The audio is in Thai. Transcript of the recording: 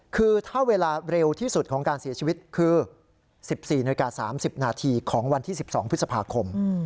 คือถ้าเวลาเร็วที่สุดของการเสียชีวิตคือสิบสี่นาฬิกาสามสิบนาทีของวันที่สิบสองพฤษภาคม